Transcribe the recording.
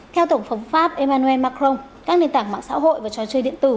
theo tổng thống pháp emmanuel macron các nền tảng mạng xã hội và trò chơi điện tử